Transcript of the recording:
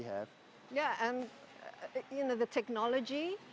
ya dan teknologi